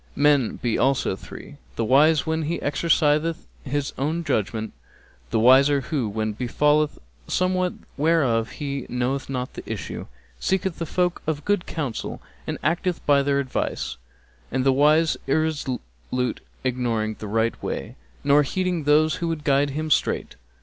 Men be also three: the wise when he exerciseth his own judgement; the wiser who, when befalleth somewhat whereof he knoweth not the issue, seeketh folk of good counsel and acteth by their advice; and the unwise irresolute ignoring the right way nor heeding those who would guide him straight.